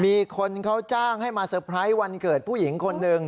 มีคนเขาจ้างให้มาเตอร์ไพรส์วันเกิดผู้หญิงคนหนึ่ง